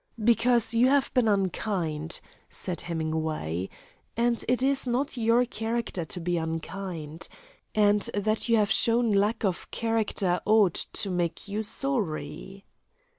"Because you have been unkind," said Hemingway, "and it is not your character to be unkind. And that you have shown lack of character ought to make you sorry."